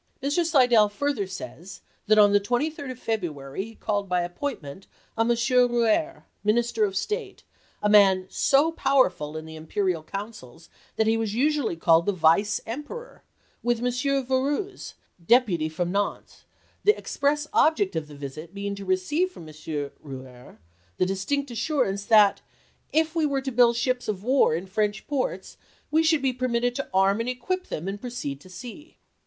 Mr. Slidell further says that on the 23d of February he called by appointment on M. Rouher, Minister of State, a man so powerful in the imperial councils that he was usually called the Vice Emperor, with M. Voruz, deputy from Nantes, the express object of the visit being to receive from M. Rouher the distinct assurance that " if we were to build ships of war in French ports we should be permitted to arm and equip them and proceed to sea."